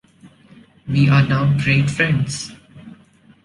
We are now great friends.